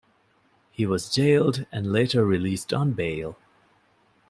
He was jailed and later released on bail.